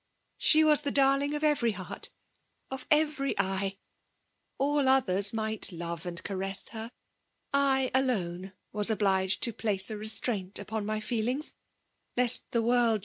She was the darling of evwrf heart — of every eye. All others nngbt love and caress her; /alone was obliged to place a restraint upon my feelings, lest the world y2SB FEXAEE DOMIK AVnW.